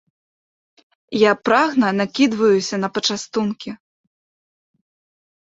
Я прагна накідваюся на пачастункі.